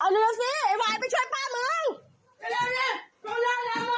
เร็วเร็วลบลบเอาเร็วสิไอ้หวายไปช่วยป้ามือ